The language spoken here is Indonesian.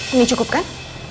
ini cukup kan